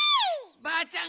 ばあちゃん